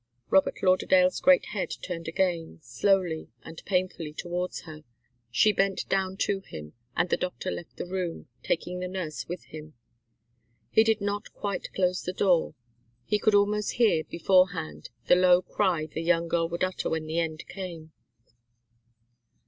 Robert Lauderdale's great head turned again, slowly and painfully, towards her. She bent down to him, and the doctor left the room, taking the nurse with him. He did not quite close the door. He could almost hear, beforehand, the low cry the young girl would utter when the end came.